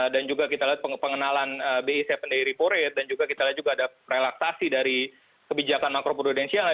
juga kita lihat pengenalan bi tujuh day repo rate dan juga kita lihat juga ada relaksasi dari kebijakan makro prudensial